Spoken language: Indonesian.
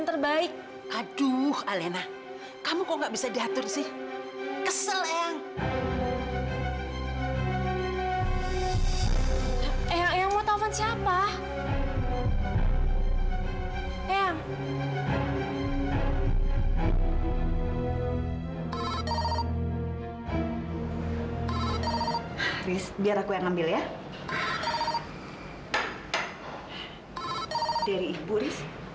sehingga ibu bisa marah seperti ini